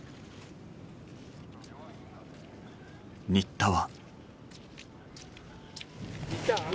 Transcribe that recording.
新田は。